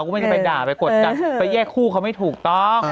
ก็ไม่ได้ไปด่าไปกดดันไปแยกคู่เขาไม่ถูกต้อง